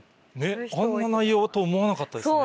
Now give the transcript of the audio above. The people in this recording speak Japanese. あんな内容と思わなかったですね。